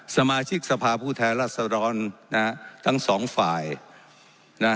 สมาชิกสภาพผู้แทนรัศดรนะฮะทั้งสองฝ่ายนะ